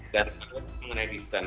dan mengenai distance